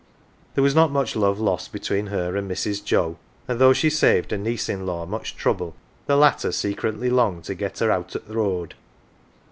There was not much love lost between her and Mi's. Joe, and though she saved her niece in law much trouble, the latter secretly longed to. get her " out o' th' road."